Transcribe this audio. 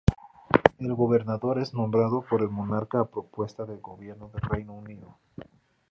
El gobernador es nombrado por el monarca a propuesta del Gobierno del Reino Unido.